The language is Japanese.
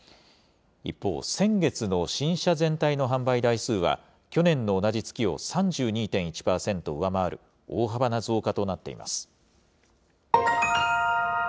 一方、先月の新車全体の販売台数は去年の同じ月を３２．１％上回る大幅な増加となっています。